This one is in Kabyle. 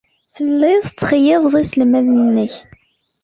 Telliḍ tettxeyyibeḍ iselmaden-nnek.